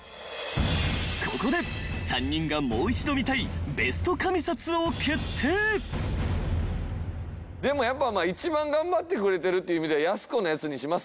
［ここで３人が］でもやっぱ一番頑張ってくれてるっていう意味ではやす子のやつにします？